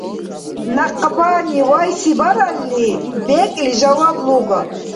Някъбани вайси баралли, бекӀли жаваб луга.